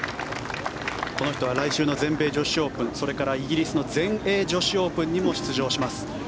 この人は来週の全米女子オープンそして、イギリスの全英女子オープンにも出場します。